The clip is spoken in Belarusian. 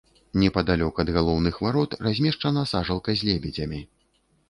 Непадалёк ад галоўных варот размешчана сажалка з лебедзямі.